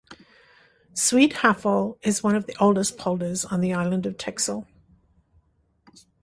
Zuid Haffel is one of the oldest polders on the island of Texel.